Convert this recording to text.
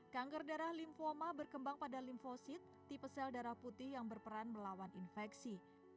kanker darah lymphoma berkembang pada limfosit tipe sel darah putih yang berperan melawan infeksi